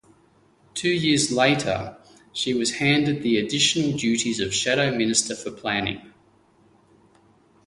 Two years later, she was handed the additional duties of shadow Minister for Planning.